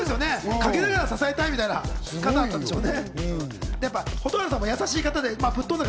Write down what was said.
陰ながら支えたいみたいな感じだったんでしょうね。